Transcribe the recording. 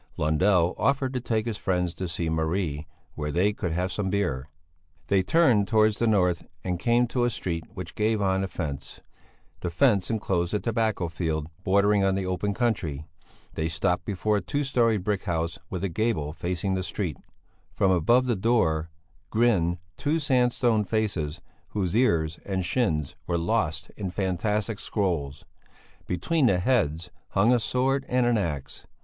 Lundell offered to take his friends to see Marie, where they could have some beer. They turned towards the north and came to a street which gave on a fence; the fence enclosed a tobacco field, bordering on the open country. They stopped before a two storied brick house with a gable facing the street. From above the door grinned two sandstone faces whose ears and shins were lost in fantastic scrolls. Between the heads hung a sword and an axe.